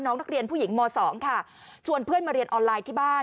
นักเรียนผู้หญิงม๒ค่ะชวนเพื่อนมาเรียนออนไลน์ที่บ้าน